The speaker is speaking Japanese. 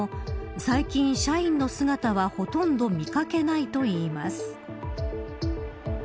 最近、社員の姿はほとんど見掛けないといいます。